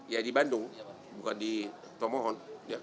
ya di bandung bukan di tomohon